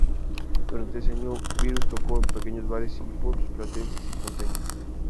Durante ese año, Virus tocó en pequeños bares y pubs platenses y porteños.